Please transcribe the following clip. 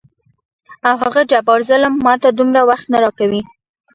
او هغه جبار ظلم ماته دومره وخت نه راکوي.